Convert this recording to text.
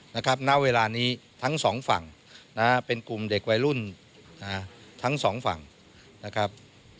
ณเวลานี้ทั้งสองฝั่งนะฮะเป็นกลุ่มเด็กวัยรุ่นทั้งสองฝั่งนะครับ